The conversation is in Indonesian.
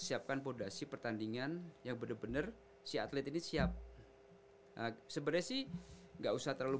siapkan fondasi pertandingan yang benar benar si atlet ini siap sebenarnya sih enggak usah terlalu